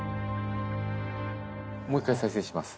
もう一回再生します。